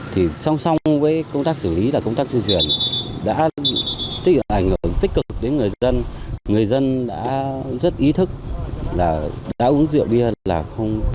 thì song song với công tác xử lý là công tác di chuyển đã tích cực đến người dân người dân đã rất ý thức là đã uống rượu bia là không